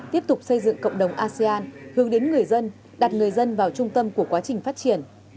tiếp tục xây dựng cộng đồng asean hướng đến người dân đặt người dân vào trung tâm của quá trình phát triển